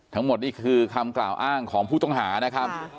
ทั้งหมดนี่คือคำกล่าวอ้างของผู้ต้องหานะครับ